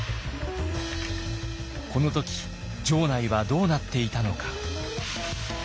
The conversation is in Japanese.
この時城内はどうなっていたのか。